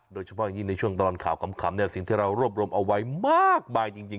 โดยเฉพาะอย่างยิ่งในช่วงตลอดข่าวขำสิ่งที่เรารวบรวมเอาไว้มากมายจริง